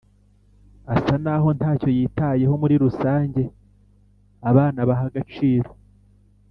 asa n aho nta cyo yitayeho muri rusange abana baha agaciro